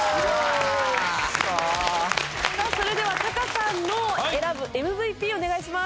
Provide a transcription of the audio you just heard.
それではタカさんの選ぶＭＶＰをお願いします。